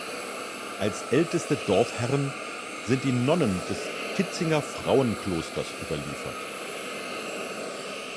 Als älteste Dorfherren sind die Nonnen des Kitzinger Frauenklosters überliefert.